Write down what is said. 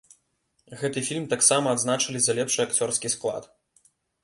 Гэты фільм таксама адзначылі за лепшы акцёрскі склад.